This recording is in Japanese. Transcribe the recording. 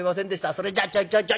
それじゃちょいちょいちょい」。